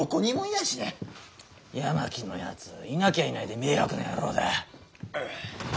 八巻のやついなきゃいないで迷惑な野郎だ。